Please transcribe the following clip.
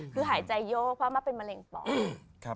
คือหายใจเยอะเพราะอำมาตย์เป็นมะเร็งปอด